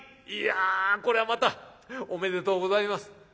いやこりゃまたおめでとうございます」。